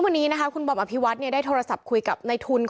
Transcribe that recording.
วันนี้นะคะคุณบอมอภิวัฒน์ได้โทรศัพท์คุยกับในทุน